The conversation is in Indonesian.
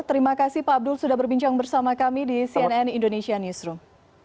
terima kasih pak abdul sudah berbincang bersama kami di cnn indonesia newsroom